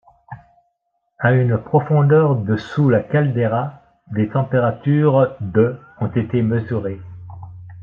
À une profondeur de sous la caldeira, des températures de ont été mesurées.